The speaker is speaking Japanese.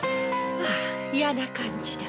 ああ嫌な感じだ。